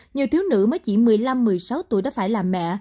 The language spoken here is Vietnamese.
nhiều thiếu nữ mới chỉ một mươi năm một mươi sáu tuổi đã phải là mẹ